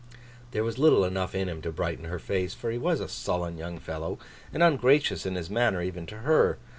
There was little enough in him to brighten her face, for he was a sullen young fellow, and ungracious in his manner even to her.